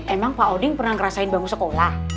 emang pak odin pernah ngerasain bangku sekolah